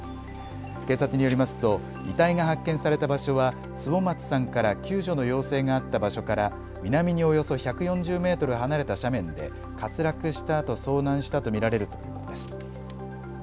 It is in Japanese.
警察によりますと遺体が発見された場所は坪松さんから救助の要請があった場所から南におよそ１４０メートル離れた斜面で滑落したあと遭難したと見られるということです。